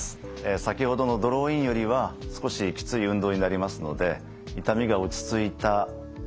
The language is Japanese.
先ほどのドローインよりは少しきつい運動になりますので痛みが落ち着いた１週間ぐらいから始めてみてください。